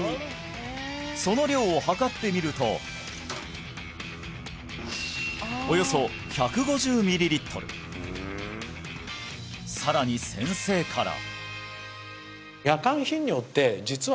その量を量ってみるとさらに先生から・